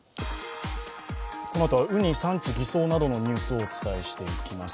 このあとは、うに産地偽装などのニュースをお伝えしていきます。